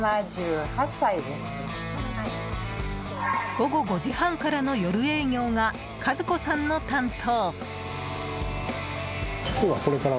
午後５時半からの夜営業が和子さんの担当。